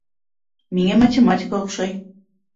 Миңә математика оҡшай